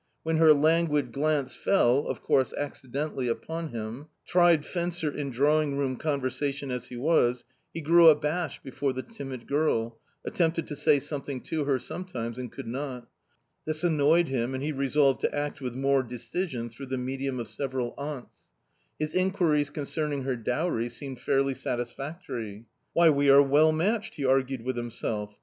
When her languid glance fell, of course accidentally, upon him, tried fencer in drawing room conversation as he was, he grew abashed before the timid girl, attempted to say something to her some times and could not. This annoyed him and he resolved to act with more decision through the medium of several aunts. His inquiries concerning her dowry seemed fairly satis factory. " Why, we are well matched !" he argued with himself.